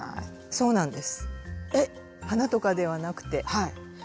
そうなんです。